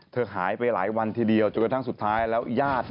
หายไปหลายวันทีเดียวจนกระทั่งสุดท้ายแล้วญาติ